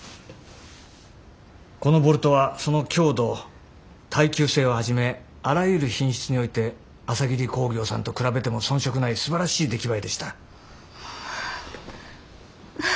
このボルトはその強度耐久性をはじめあらゆる品質において朝霧工業さんと比べても遜色ないすばらしい出来栄えでした。